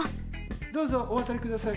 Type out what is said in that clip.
どうぞおわたりください。